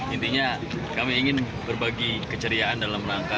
intinya kami ingin berbagi keceriaan dalam rangka